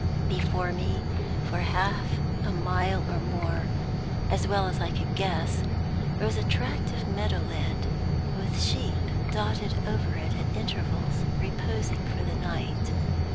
Before me, for half a mile or more (as well as I could guess), rose a tract of meadow land, with sheep dotted over it at intervals reposing for the night.